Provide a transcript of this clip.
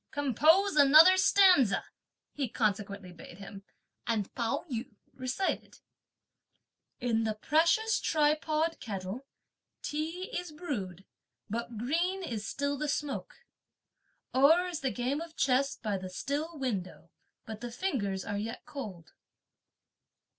Compose another stanza," he consequently bade him; and Pao yü recited: In the precious tripod kettle, tea is brewed, but green is still the smoke! O'er is the game of chess by the still window, but the fingers are yet cold.